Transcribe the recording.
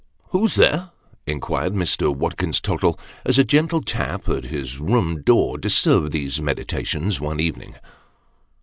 " Who's there ?" inquired Mr. Watkins Tottle, as a gentle tap at his room door disturbed these meditations one evening.